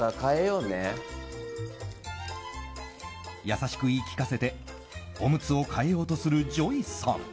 優しく言い聞かせておむつを替えようとするＪＯＹさん。